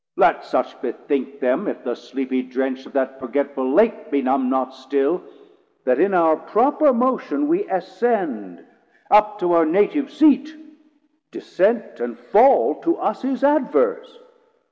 Let such bethink them, if the sleepy drench Of that forgetful Lake benumme not still, That in our proper motion we ascend Up to our native seat: descent and fall To us is adverse.